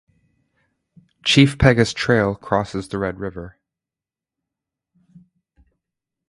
Chief Peguis Trail crosses the Red River.